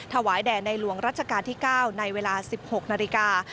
ถวายแด่ในหลวงรัชกาลที่๙ในเวลา๑๖นาฬิกา